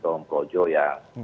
betul om projo ya